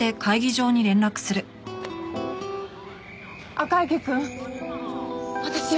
赤池くん私よ。